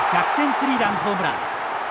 スリーランホームラン。